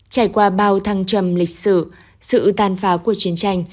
trải qua bao thăng trầm lịch sử sự tàn phá của chiến tranh